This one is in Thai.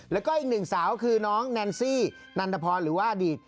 แล้วก็อีกหนึ่งสาวก็คือน้องนันสที่น้านนัธพรหรือว่าดีต